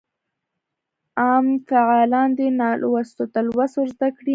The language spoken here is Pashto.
عام فعالان دي نالوستو ته لوست ورزده کړي.